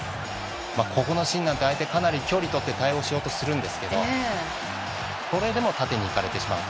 ここのシーンなんて相手かなり距離取って対応しようとするんですけどそれでも縦にいかれてしまう。